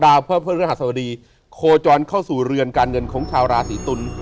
ดาวเพื่อเพื่อนรัฐศาสดีโคจรเข้าสู่เรือนการเงินของชาวราศรีตุล